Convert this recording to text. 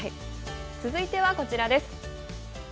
続いてはこちらです。